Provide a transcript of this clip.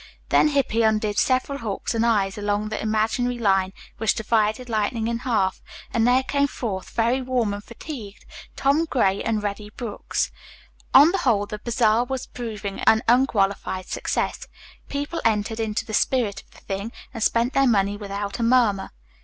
Then Hippy undid several hooks and eyes along the imaginary line which divided Lightning in half, and there came forth, very warm and fatigued, Tom Gray and Reddy Brooks. On the whole the bazaar was proving an unqualified success. People entered into the spirit of the thing and spent their money without a murmur.